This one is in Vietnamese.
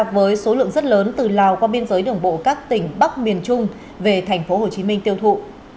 với số lượng rất lớn từ lào qua biên giới đường bộ các tỉnh bắc miền trung về tp hcm tiêu thụ